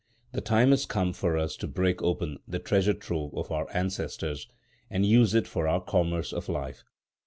The time has come for us to break open the treasure trove of our ancestors, and use it for our commerce of life.